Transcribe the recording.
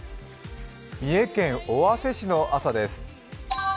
三重県尾鷲市の朝です。